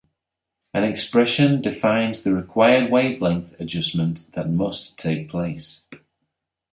An expression defines the required wavelength adjustment that must take place.